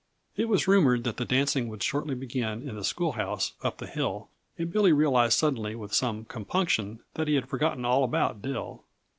It was rumored that the dancing would shortly begin in the schoolhouse up the hill, and Billy realized suddenly with some compunction that he had forgotten all about Dill.